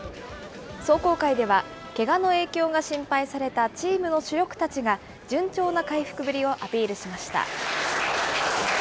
壮行会ではけがの影響が心配されたチームの主力たちが、順調な回復ぶりをアピールしました。